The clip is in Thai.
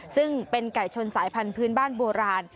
ซึ่งเป็นไก่ชนสายพันธุ์บ้านโบราณ